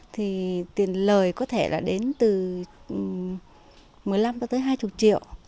thì tiền lời có thể là đến từ một mươi năm hai mươi triệu